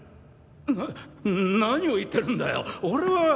ななにを言ってるんだよ俺は。